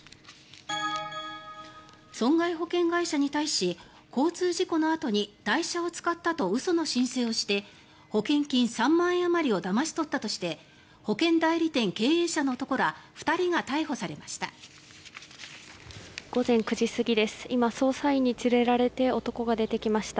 損害保険会社に対し交通事故のあとに代車を使ったと嘘の申請をして保険金３万円あまりをだまし取ったとして保険代理店経営者の男ら２人が逮捕されました。